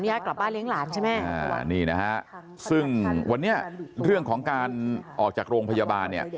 ญาติกลับบ้านเลี้ยงหลานใช่ไหมอ่านี่นะฮะซึ่งวันนี้เรื่องของการออกจากโรงพยาบาลเนี่ย